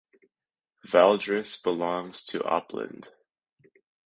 Valdres belongs to Oppland.